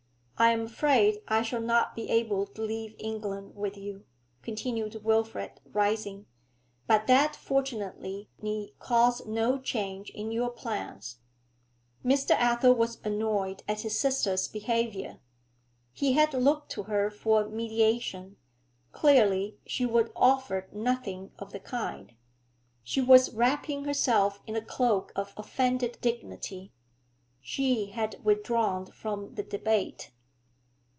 'I am afraid I shall not be able to leave England with you,' continued Wilfrid, rising. 'But that fortunately need cause no change in your plans.' Mr. Athel was annoyed at his sister's behaviour. He had looked to her for mediation; clearly she would offer nothing of the kind. She was wrapping herself in a cloak of offended dignity; she had withdrawn from the debate.